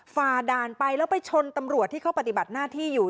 ฝ่าด่านไปแล้วไปชนตำรวจที่เขาปฏิบัติหน้าที่อยู่